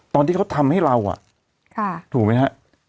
ตอนที่เขาทำให้เราถูกไหมฮะ